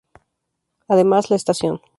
Además la estación.